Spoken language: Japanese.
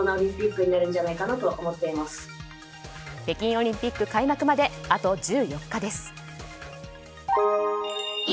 北京オリンピック開幕まであと１４日です。